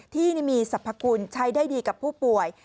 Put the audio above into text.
ที่มีสรรพคุณใช้ได้ดีกับผู้ป่วย